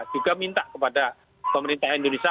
juga minta kepada pemerintah indonesia